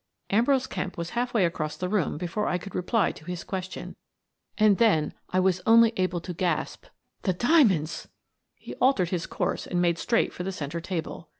Ambrose Kemp was half way across the room before I could reply to his question, and then I was able only to gasp : "The diamonds!" He altered his course and made straight for the centre table.